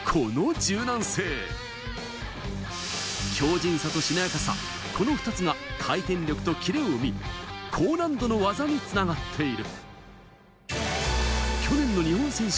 技を生み出しているのが、この２つが回転力とキレを生み、高難度の技につながっている。